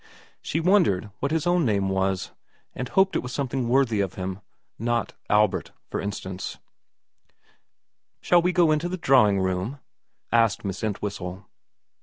She wondered what his own name was, and hoped it was something worthy of him, not Albert, for instance. iv VERA 45 ' Shall we go into the drawing room ?' asked Miss Entwhistle.